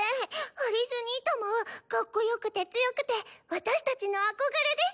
アリス兄様はかっこよくて強くてわたしたちの憧れです！